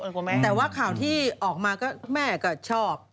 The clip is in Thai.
แต่ว่าข่าวที่ออกมาก็แม่ก็ชอบ